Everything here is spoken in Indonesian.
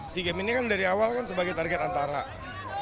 sea games ini kan dari awal sebagai target antarabangsa